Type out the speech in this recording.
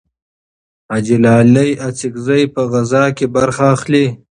حاجي لالي اڅکزی په غزاکې برخه اخلي.